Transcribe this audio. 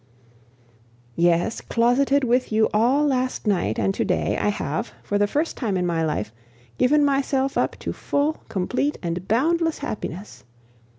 "Yes, closeted with you all last night and to day, I have, for the first time in my life, given myself up to full, complete, and boundless happiness.